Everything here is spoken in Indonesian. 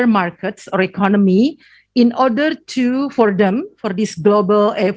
apa kelebihan yang terjadi pada pasar atau ekonomi lain